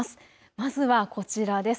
まずはこちらです。